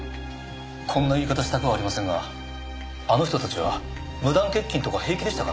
こんな言い方したくはありませんがあの人たちは無断欠勤とか平気でしたからね。